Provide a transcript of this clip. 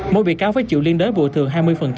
mỗi bị cáo phải chịu liên đối bộ thường hai mươi